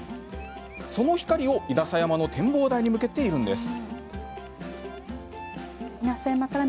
その光を稲佐山の展望台に向けているんです。